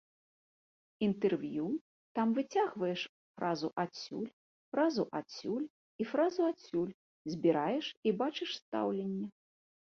Інтэрв'ю, там выцягваеш фразу адсюль, фразу адсюль і фразу адсюль, збіраеш і бачыш стаўленне.